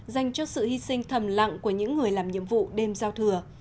dành cho sự hy sinh thầm lặng của những người làm nhiệm vụ đêm giao thừa